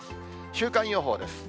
週間予報です。